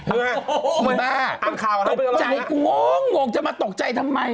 ตกใจกูงงงจะมาตกใจทำไม